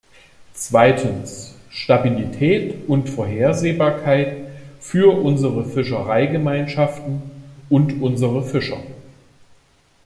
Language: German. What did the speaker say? Zweitens, Stabilität und Vorhersehbarkeit für unsere Fischereigemeinschaften und unsere Fischer.